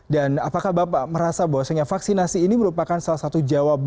dan apakah bapak merasa bahwasannya vaksinasi ini merupakan salah satu jawabannya